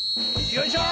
よいしょ！